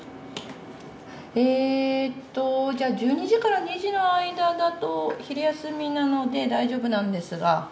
えっとじゃあ１２時から２時の間だと昼休みなので大丈夫なんですが。